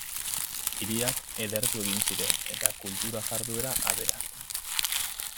Hiriak edertu egin ziren, eta kultura-jarduera aberastu.